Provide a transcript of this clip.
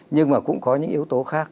nhưng mà cũng có những yếu tố khác